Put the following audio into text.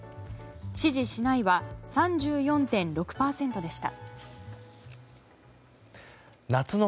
支持しないは３４．６％でした。